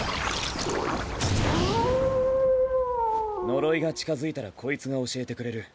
呪いが近づいたらこいつが教えてくれる。